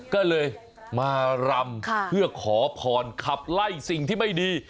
ก็เลยมารำเพื่อขอพรขับไล่สิ่งที่ไม่ดี